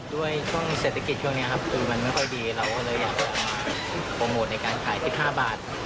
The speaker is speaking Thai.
ด้วยช่วงเศรษฐกิจช่วงนี้ครับคือมันไม่ค่อยดีเราก็เลยอยากจะโปรโมทในการขาย๑๕บาท